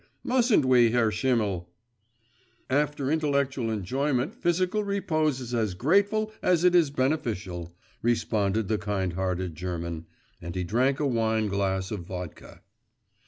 … Mustn't we, Herr Schimmel?' 'After intellectual enjoyment physical repose is as grateful as it is beneficial,' responded the kind hearted German, and he drank a wine glass of vodka.